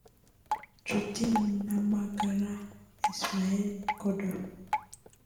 Nshutinamagara Ismael Kodo